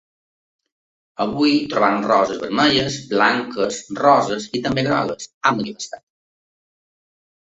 Avui trobem roses vermelles, blanques, roses i també grogues, ha manifestat.